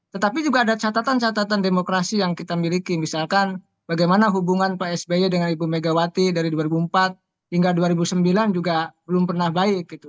tetapi juga ada catatan catatan demokrasi yang kita miliki misalkan bagaimana hubungan pak sby dengan ibu megawati dari dua ribu empat hingga dua ribu sembilan juga belum pernah baik gitu